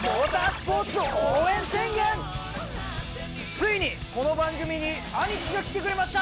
ついにこの番組に兄貴が来てくれました！